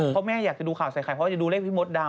เพราะแม่อยากจะดูข่าวใส่ไข่เพราะว่าจะดูเลขพี่มดดำ